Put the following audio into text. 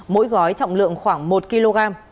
mỗi gói trọng lượng khoảng một kg